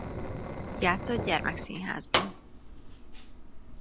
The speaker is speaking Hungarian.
Játszott gyermekszínházban.